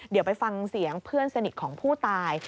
เดี๋ยวไปฟังเสียงเพื่อนสนิทของผู้ตาย